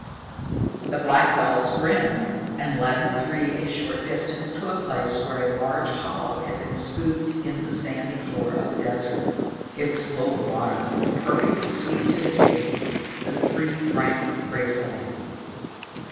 The blackfellows grinned, and led the three a short distance to a place where a large hollow had been scooped in the sandy floor of the desert. It was full of water, perfectly sweet to the taste. The three drank gratefully.